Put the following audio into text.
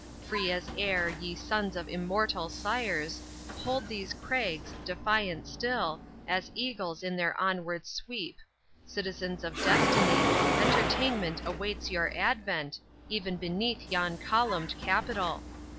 Free as air, ye sons of immortal sires, Hold these crags, defiant still, As eagles in their onward sweep Citizens of destiny, Entertainment awaits your advent, Even beneath yon columned capitol!